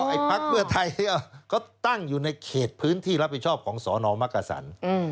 อ๋อไอ้พักเวชไทยเขาตั้งอยู่ในเขตพื้นที่รับผิดชอบของสอนอมมักกะสัน